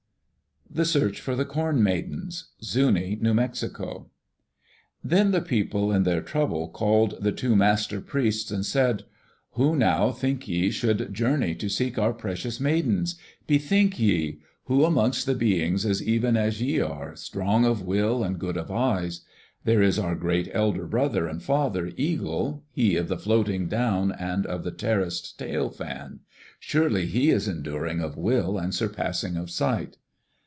The Search for the Corn Maidens Zuni (New Mexico) Then the people in their trouble called the two Master Priests and said: "Who, now, think ye, should journey to seek our precious Maidens? Bethink ye! Who amongst the Beings is even as ye are, strong of will and good of eyes? There is our great elder brother and father, Eagle, he of the floating down and of the terraced tail fan. Surely he is enduring of will and surpassing of sight."